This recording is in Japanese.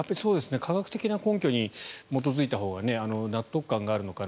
科学的な根拠に基づいたほうが納得感があるのかな。